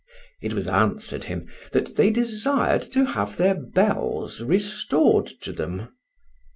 It was answered him, that they desired to have their bells restored to them.